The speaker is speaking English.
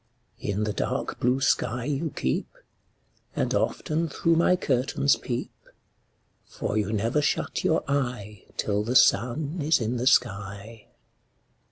In the dark blue sky you keep, And often through my curtains peep; For you never shut your eye Till the sun is in the sky.